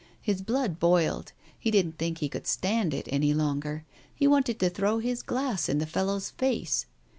His blood boiled, he didn't think he could stand it any longer, he wanted to throw his glass in the fellow's face.